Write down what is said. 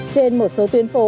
trên một số tuyến phố